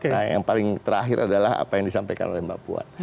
nah yang paling terakhir adalah apa yang disampaikan oleh mbak puan